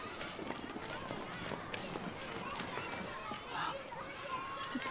あっちょっと。